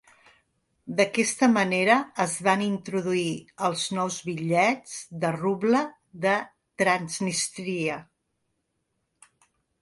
D'aquesta manera es van introduir els nous bitllets de ruble de Transnístria.